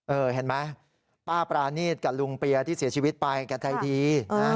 เห็นไหมป้าปรานีตกับลุงเปียที่เสียชีวิตไปแกใจดี